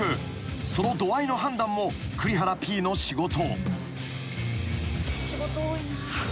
［その度合いの判断も栗原Ｐの仕事］